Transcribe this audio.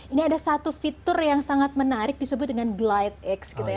ini ada satu fitur yang sangat menarik disebut dengan glidex